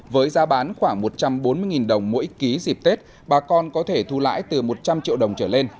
với giá bán khoảng một trăm bốn mươi đồng mỗi ký dịp tết bà con có thể thu lãi từ một trăm linh triệu đồng trở lên